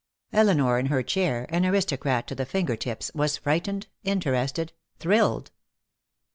Elinor in her chair, an aristocrat to the finger tips, was frightened, interested, thrilled.